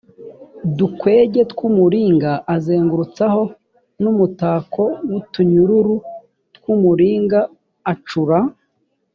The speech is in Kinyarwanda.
dukwege tw umuringa azengurutsaho n umutako w utunyururu tw umuringa acura